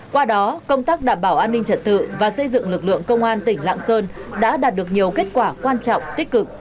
qua đó công tác đảm bảo an ninh trật tự và xây dựng lực lượng công an tỉnh lạng sơn đã đạt được nhiều kết quả quan trọng tích cực